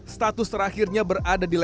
status terakhirnya berada di level